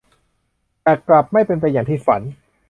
แต่กลับไม่เป็นไปอย่างที่ฝัน